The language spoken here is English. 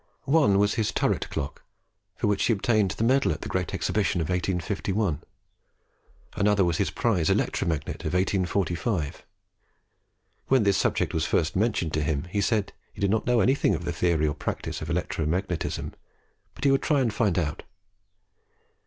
One was his Turret Clock, for which he obtained the medal at the Great Exhibition of 1851. Another was his Prize Electro Magnet of 1845. When this subject was first mentioned to him, he said he did not know anything of the theory or practice of electro magnetism, but he would try and find out.